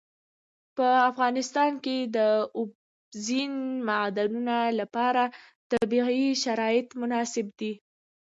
په افغانستان کې د اوبزین معدنونه لپاره طبیعي شرایط مناسب دي.